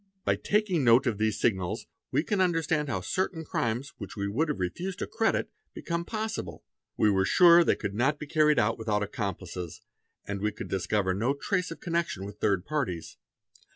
By taking note of these signals we can understand how certain crimes which we have refused to credit become possible; we were sure they could not be carried out without accomplices and we could discover no trace of connection with third parties.